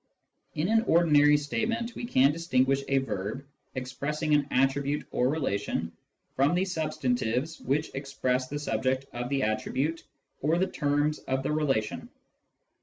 In an ordinary statement we can distinguish a verb, expressing an attribute or relation, from the substantives which express the subject of the attribute or the terms of the relation.